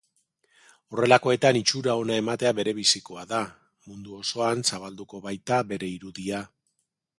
Horrelakoetan itxura ona ematea berebizikoa da, mundu osoan zabalduko baita bere irudia.